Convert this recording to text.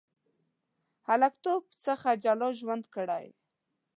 هلکتوب څخه جلا ژوند کړی.